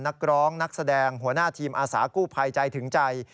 นักร้องนักแสดงหัวหน้าทีมอาสากู้ภัยใจถึงใจ